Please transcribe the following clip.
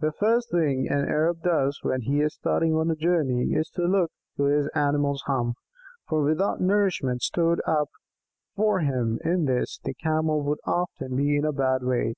The first thing an Arab does when he is starting on a journey is to look to his animal's hump, for without the nourishment stored up for him in this, the Camel would often be in a bad way.